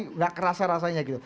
tidak kerasa rasanya gitu